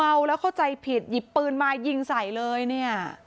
เมาแล้วเข้าใจผิดหยิบปืนมายิงใส่เลยเนี่ย